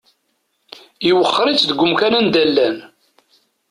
Iwexxer-itt deg umkan anda llan.